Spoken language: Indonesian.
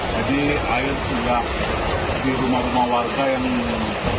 jadi air sudah di rumah rumah warga yang berada